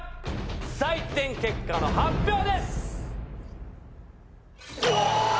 採点結果の発表です。